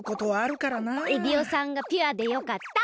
エビオさんがピュアでよかった。